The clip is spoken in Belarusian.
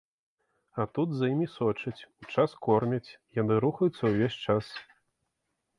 А тут за імі сочаць, у час кормяць, яны рухаюцца ўвесь час.